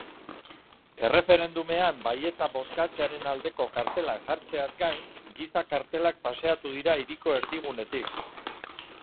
Erreferendumean baietza bozkatzearen aldeko kartelak jartzeaz gain, giza-kartelak paseatu dira hiriko erdigunetik.